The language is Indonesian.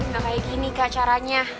nah kayak gini kak caranya